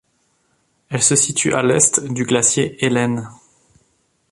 Elle se situe à l'est du glacier Helen.